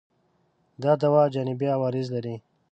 دا دوا جانبي عوارض لري؟